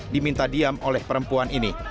diminta diam oleh perempuan ini